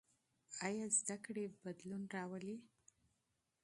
ایا تعلیم بدلون راولي؟